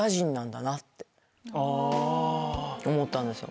思ったんですよ。